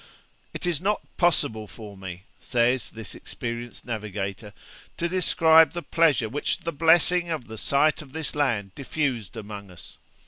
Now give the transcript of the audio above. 'It is not possible for me,' says this experienced navigator, 'to describe the pleasure which the blessing of the sight of this land diffused among us.